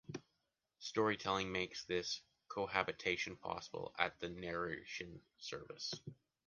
Storytelling makes this cohabitation possible at the narration service.